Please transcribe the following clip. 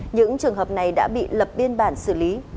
những trường hợp này đã bị lập biên bản xử lý